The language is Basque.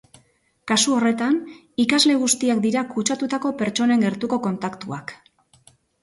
Kasu horretan, ikasle guztiak dira kutsatutako pertsonen gertuko kontaktuak.